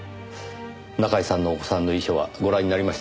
中居さんのお子さんの遺書はご覧になりましたか？